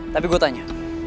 tapi gue tanya